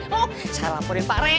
saya laporin pak reet ya